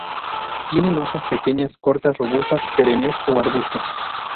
Tienen hojas pequeñas, cortas, robustas, perennes o arbustos.